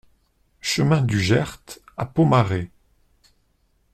Chemin du Gert à Pomarez